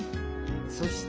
そして。